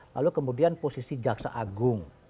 lalu kemudian posisi jaksa agung